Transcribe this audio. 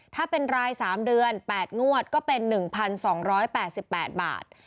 ถ้าเป็นราย๓เดือน๘งวดก็เป็น๑๒๘๘บาท